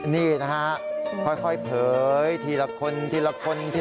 นี่นะครับค่อยเผย